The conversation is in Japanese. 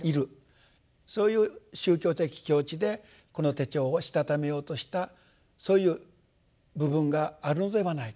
そういう宗教的境地でこの手帳をしたためようとしたそういう部分があるのではないか。